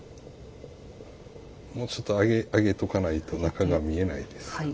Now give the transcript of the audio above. もうちょっと上げておかないと中が見えないです。